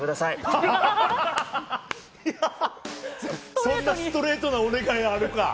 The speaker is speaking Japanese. そんなストレートなお願いあるか！